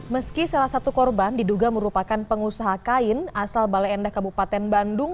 meski salah satu korban diduga merupakan pengusaha kain asal bale endah kabupaten bandung